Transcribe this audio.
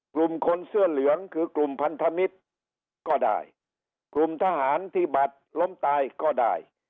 กลุ่มคนเสื้อเหลืองคือกลุ่มพันธมิตรก็ได้กลุ่มทหารที่บัตรล้มตายก็ได้